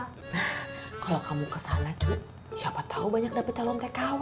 nah kalo kamu kesana cu siapa tau banyak dapet calon tkw